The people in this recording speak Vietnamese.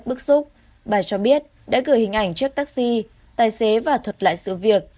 trong bức xúc bà cho biết đã gửi hình ảnh trước taxi tài xế và thuật lại sự việc